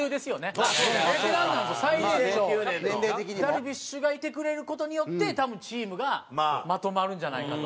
ダルビッシュがいてくれる事によって多分チームがまとまるんじゃないかと。